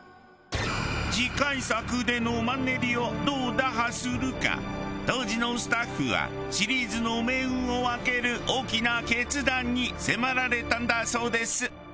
次回作でのマンネリをどう打破するか当時のスタッフはシリーズの命運を分ける大きな決断に迫られたんだそうです。